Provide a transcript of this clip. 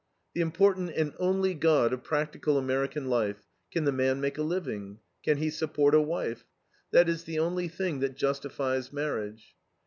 The important and only God of practical American life: Can the man make a living? can he support a wife? That is the only thing that justifies marriage.